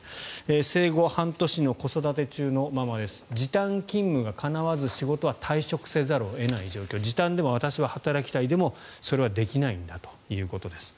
生後半年の子育て中のママ時短勤務がかなわず退職せざるを得ない状況時短でも私は働きたいでもそれはできないんだということです。